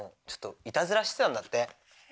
ちょっといたずらしてたんだって。